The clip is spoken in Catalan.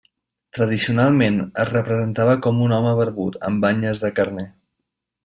Tradicionalment es representava com un home barbut amb banyes de carner.